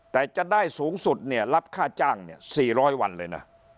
แต่จะได้สูงสุดเนี่ยรับค่าจ้างเนี่ย๔๐๐วันเลยนะ